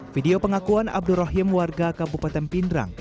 video pengakuan abdurrahim warga kabupaten pindrang